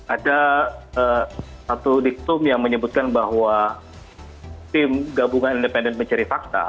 ada satu diktum yang menyebutkan bahwa tim gabungan independen mencari fakta